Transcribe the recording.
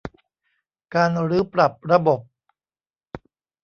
การรื้อปรับระบบ